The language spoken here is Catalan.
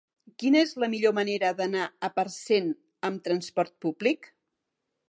Quina és la millor manera d'anar a Parcent amb transport públic?